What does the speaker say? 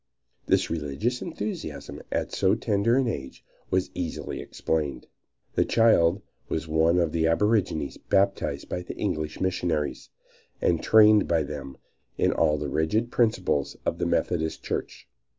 This religious enthusiasm at so tender an age was easily explained. The child was one of the aborigines baptized by the English missionaries, and trained by them in all the rigid principles of the Methodist Church.